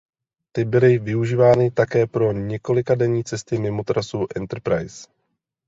Ty byly využívány také pro několikadenní cesty mimo trasu Enterprise.